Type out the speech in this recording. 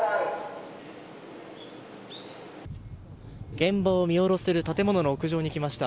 現場を見下ろせる建物の屋上に来ました。